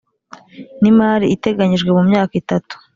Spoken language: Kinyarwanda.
n imari iteganyijwe mu myaka itatu